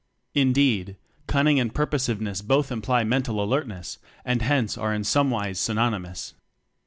Indeed, Cunning and Purposiveness both imply mental alertness and hence are in some wise synon ymous.